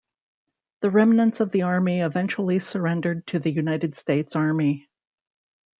The remnants of the army eventually surrendered to the United States Army.